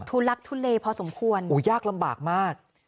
ลักทุเลพอสมควรโอ้ยากลำบากมาก